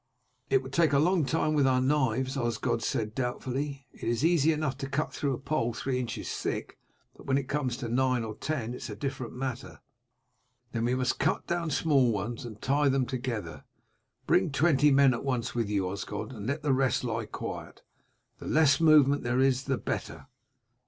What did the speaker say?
"It would take a long time with our knives," Osgod said doubtfully. "It is easy enough to cut through a pole three inches thick, but when it comes to nine or ten it is a different matter." "Then we must cut down small ones and tie them together. Bring twenty men at once with you, Osgod, let the rest lie quiet, the less movement there is the better."